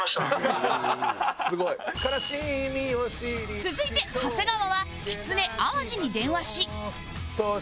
続いて長谷川はきつね淡路に電話し